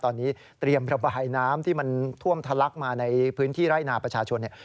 ตอนนี้เตรียมระบายน้ำที่มันท่วมทะลักมาในพื้นที่ไร่นาประชาชนเนี่ย